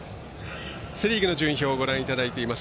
セ・リーグの順位表ご覧いただいています。